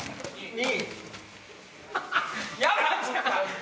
２！